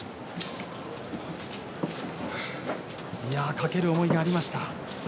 懸ける思いがありました。